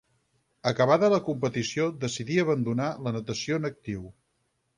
Acabada la competició decidí abandonar la natació en actiu.